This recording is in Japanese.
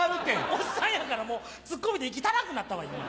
おっさんやからツッコミで息足らんくなったわ今！